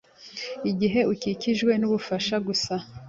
Igihe ukikijwe n’abagufasha gusa